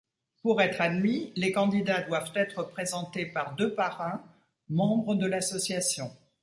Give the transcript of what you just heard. Pour être admis, les candidats doivent être présentés par deux parrains membres de l'Association.